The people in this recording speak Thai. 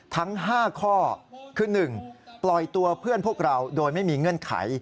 ทั้ง๕ข้อคือ๑ปล่อยตัวเพื่อนพวกเราโดยไม่มีเงื่อนไข